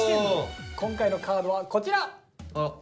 今回のカードはこちら！